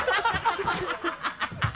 ハハハ